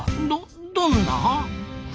どどんな？